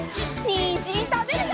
にんじんたべるよ！